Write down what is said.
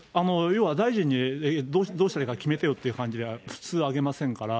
要は大臣にどうしたらいいか決めてよっていう感じで普通上げませんから。